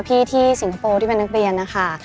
ที่สิงคโปร์ที่เป็นนักเรียนนะคะ